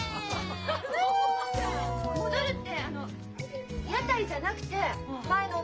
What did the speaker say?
「戻る」ってあの屋台じゃなくて前のお店ってこと？